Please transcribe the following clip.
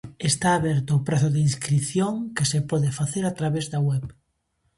Está aberto o prazo de inscrición, que se pode facer a través da web.